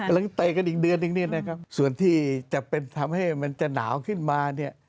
หลังไตกันอีกเดือนส่วนที่จะทำให้มันจะหนาวขึ้นมา